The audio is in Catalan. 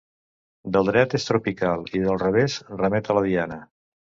Del dret és tropical i del revés remet a la Diana.